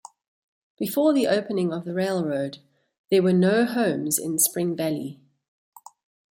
Before the opening of the railroad, there were no homes in Spring Valley.